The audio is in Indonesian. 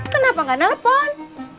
kenapa gak nelfon